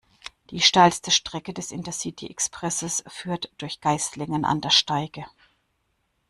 Die steilste Strecke des Intercity-Expresses führt durch Geislingen an der Steige.